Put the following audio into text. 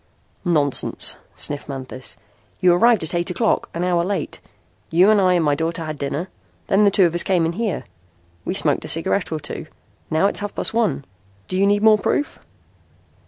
"Nonsense," sniffed Manthis. "You arrived at eight o'clock an hour late. You and I and my daughter had dinner. Then the two of us came in here. We smoked a cigarette or two. Now it's half past one. Do you need more proof?"